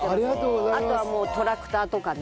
あとはもうトラクターとかね。